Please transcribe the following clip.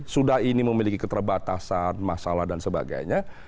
sudah ini memiliki keterbatasan masalah dan sebagainya